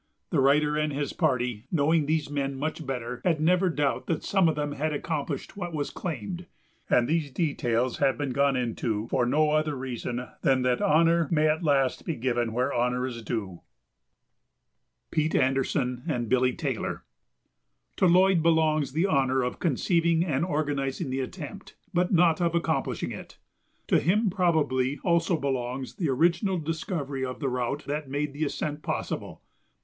The writer and his party, knowing these men much better, had never doubt that some of them had accomplished what was claimed, and these details have been gone into for no other reason than that honor may at last be given where honor is due. [Sidenote: Pete Anderson and Billy Taylor] To Lloyd belongs the honor of conceiving and organizing the attempt but not of accomplishing it. To him probably also belongs the original discovery of the route that made the ascent possible.